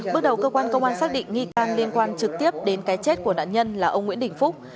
bước đầu cơ quan công an xác định nghi can liên quan trực tiếp đến cái chết của nạn nhân là ông nguyễn đình phúc